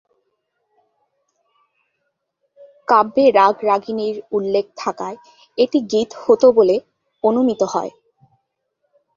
কাব্যে রাগ-রাগিণীর উল্লেখ থাকায় এটি গীত হতো বলে অনুমিত হয়।